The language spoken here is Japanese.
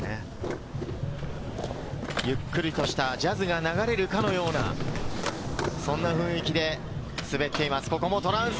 ゆっくりとしたジャズが流れるかのような、そんな雰囲気で滑っています。